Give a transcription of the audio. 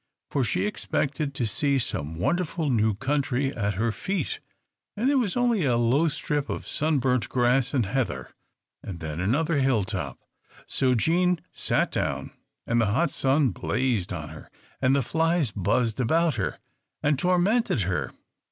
For she expected to see some wonderful new country at her feet, and there was only a low strip of sunburnt grass and heather, and then another hill top! So Jean sat down, and the hot sun blazed on her, and the flies buzzed about her and tormented her.